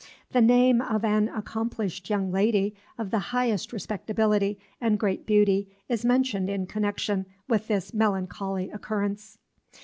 The name of an accomplished young lady of the highest respectability and great beauty is mentioned in connection with this melancholy occurrence."